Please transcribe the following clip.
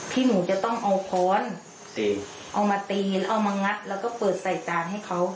ที่หนูจะต้องเอาค้อนเอามาตีแล้วเอามางัดแล้วก็เปิดใส่จานให้เขา